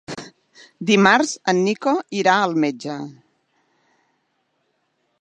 Dimarts en Nico irà al metge.